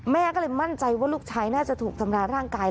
แม่ก็เลยมั่นใจว่าลูกชายน่าจะถูกทำร้ายร่างกาย